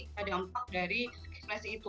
kita dampak dari ekspresi itu